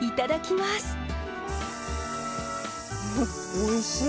おいしい。